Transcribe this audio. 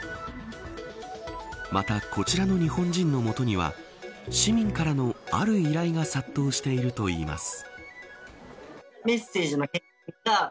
また、こちらの日本人のもとには市民からのある依頼が殺到しているといいます。